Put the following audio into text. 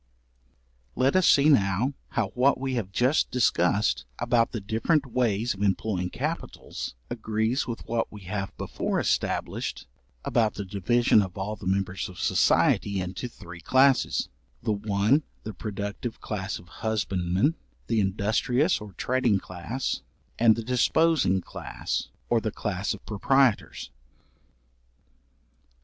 Let us see now, how what we have just discussed about the different ways of employing capitals, agrees with what we have before established about the division of all the members of society into three classes, the one the productive class of husbandmen, the industrious or trading class, and the disposing class, or the class of proprietors.